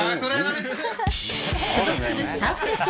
所属するサンフレッチェ